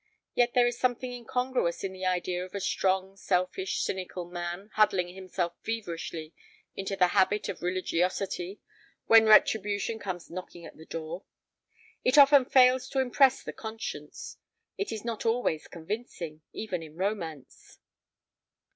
Yet there is something incongruous in the idea of a strong, selfish, cynical man huddling himself feverishly into the habit of religiosity when Retribution comes knocking at the door. It often fails to impress the conscience. It is not always convincing, even in romance.